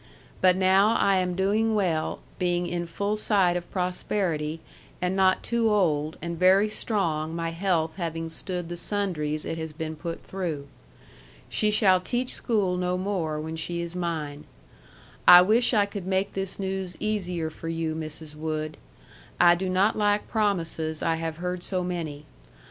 But now I am doing well being in full sight of prosperity and not too old and very strong my health having stood the sundries it has been put through. She shall teach school no more when she is mine. I wish I could make this news easier for you Mrs. Wood. I do not like promises I have heard so many.